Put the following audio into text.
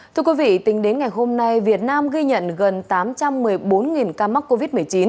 thưa quý vị tính đến ngày hôm nay việt nam ghi nhận gần tám trăm một mươi bốn ca mắc covid một mươi chín